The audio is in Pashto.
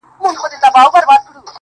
ستا په سترگو کي سندري پيدا کيږي